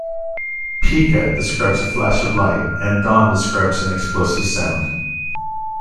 "Pika" describes a flash of light and "don" describes an explosive sound.